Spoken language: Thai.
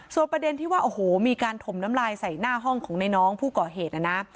ส่วนประเด็นที่ว่าโอ้โหมีการถมน้ำลายใส่หน้าห้องของในน้องผู้ก่อเหตุนะนะ